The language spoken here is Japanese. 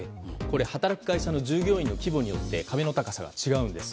働く会社の従業員の規模によって壁の高さが違うんです。